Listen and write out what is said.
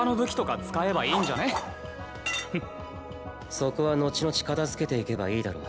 そこは後々片づけていけばいいだろう。